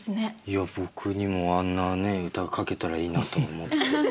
いや僕にもあんな歌書けたらいいなと思って。